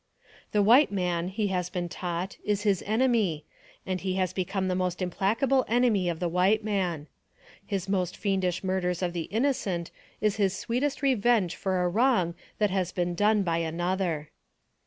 The white man, he has been taught, is his enemy, and he has become the most implacable enemy of the white man. His most fiendish murders of the innocent is his sweetest revenge for a wrong that has been done by another.